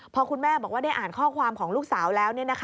พอคุณแม่บอกว่าได้อ่านข้อความของลูกสาวแล้ว